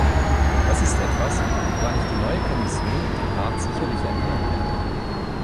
Das ist etwas, woran ich die neue Kommission und den Rat sicherlich erinnern werde.